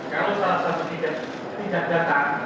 kalau salah satu tidak datang